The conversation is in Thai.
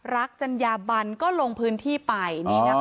รักจัญบัญก็ลงพื้นที่ไป